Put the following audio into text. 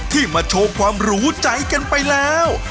ที่มาโชว์ความรู้ใจกันไปแล้ว